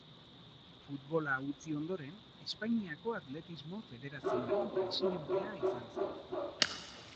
Futbola utzi ondoren, Espainiako Atletismo Federazioaren presidentea izan zen.